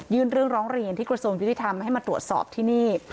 เรื่องร้องเรียนที่กระทรวงยุติธรรมให้มาตรวจสอบที่นี่